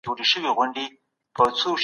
پايلي خدای ته پرېږدئ.